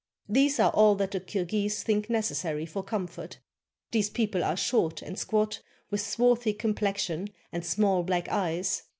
These are all that the Kirghis think necessary for comfort. These people are short and squat, with swarthy complex ion and small black eyes.